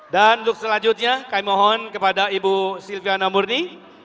dan untuk selanjutnya kami mohon kepada ibu silviana murni